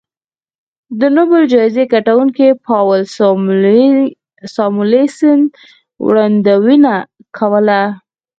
د نوبل جایزې ګټونکي پاول ساموېلسن وړاندوینه کوله